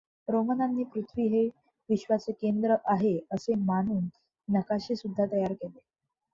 रोमनांनी पृथ्वी हे विश्वाचे केंद्र आहे असे मानून नकाशेसुद्धा तयार केले.